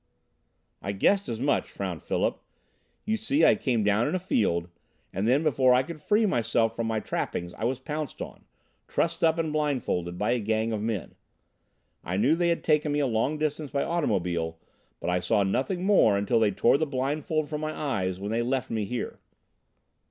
"I guessed as much," frowned Philip. "You see, I came down in a field, and then before I could free myself from my trappings I was pounced on trussed up and blindfolded by a gang of men. I knew they had taken me a long distance by automobile, but I saw nothing more until they tore the blindfold from my eyes when they left me here."